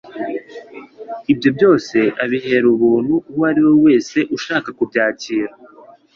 Ibyo byose abihera ubuntu uwo ari we wese ushaka kubyakira.